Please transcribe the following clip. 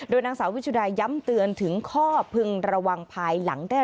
นางสาววิชุดาย้ำเตือนถึงข้อพึงระวังภายหลังได้